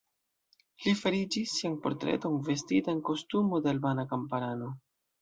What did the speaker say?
Li farigis sian portreton, vestita en kostumo de albana kamparano.